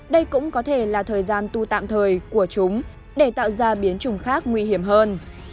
đây cũng có thể là thời gian tu tạm thời của chúng để tạo ra biến chủng khác nguy hiểm hơn